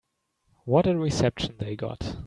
What a reception they got.